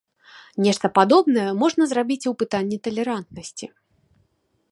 Нешта падобнае можна зрабіць і ў пытанні талерантнасці.